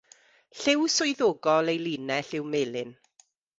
Lliw swyddogol ei linell yw melyn.